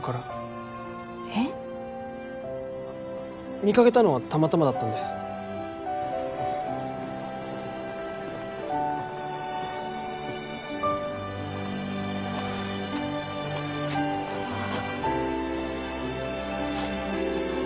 見かけたのはたまたまだったんです。ああ。